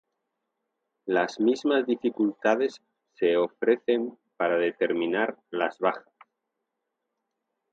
Las mismas dificultades se ofrecen para determinar las bajas.